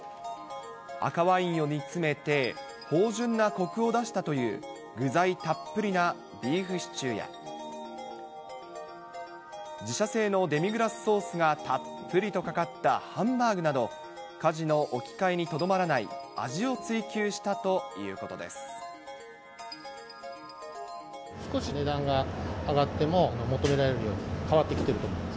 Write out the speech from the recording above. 赤ワインを煮詰めて、芳じゅんなコクを出したという、具材たっぷりなビーフシチューや、自社製のデミグラスソースがたっぷりとかかったハンバーグなど、家事の置き換えにとどまらない、少し値段が上がっても、求められるように変わってきていると思います。